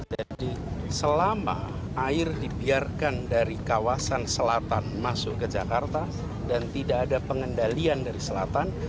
jadi selama air dibiarkan dari kawasan selatan masuk ke jakarta dan tidak ada pengendalian dari selatan